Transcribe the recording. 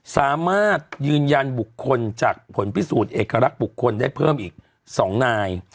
สามารถยืนยันบุคคลจากผลพิสูจน์เอกลักษณ์บุคคลได้เพิ่มอีก๒นาย